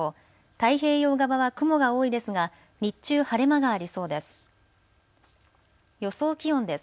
太平洋側は雲が多いですが日中、晴れ間がありそうです。